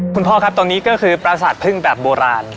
พ่อครับตรงนี้ก็คือปราสาทพึ่งแบบโบราณ